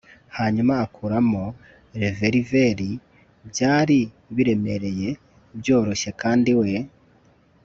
hanyuma akuramo reververi. byari biremereye, byoroshye kandi we